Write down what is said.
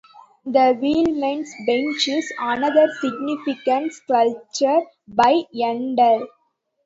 The Wheelmen's Bench is another significant sculpture by Yandell.